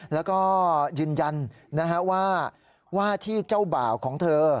แล้วก็ยืนยันว่าว่าที่เจ้าบ่าวของเธอ